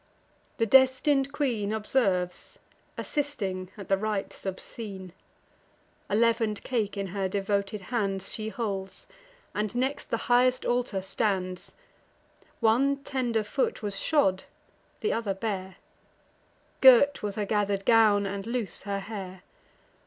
The destin'd queen Observes, assisting at the rites obscene; A leaven'd cake in her devoted hands She holds, and next the highest altar stands: One tender foot was shod, her other bare; Girt was her gather'd gown, and loose her hair.